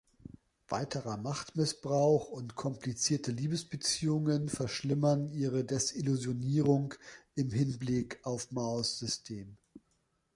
Weiterer Machtmissbrauch und komplizierte Liebesbeziehungen verschlimmern ihre Desillusionierung im Hinblick auf Maos System.